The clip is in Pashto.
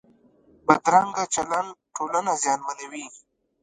بدرنګه چلند ټولنه زیانمنوي